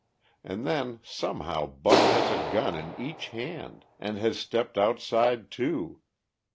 An' then somehow Buck has a gun in each hand, and has stepped outside, too.